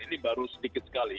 ini baru sedikit sekali